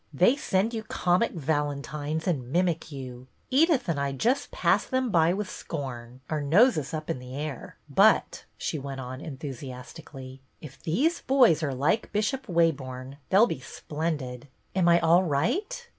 " They send you comic valentines and mimic you ! Edith and I just pass them by with scorn, our noses up in the air. But," she went on en thusiastically, " if these boys are like Bishop Waborne they 'll be splendid. Am I all right